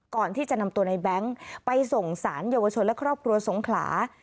ก่อนที่จะนำตัวในแบงค์ไปส่งสารเยาวชนและครอบครัวสงขลา